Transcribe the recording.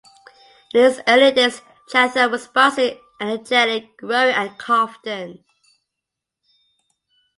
In its early days, Chatham was bustling, energetic, growing and confident.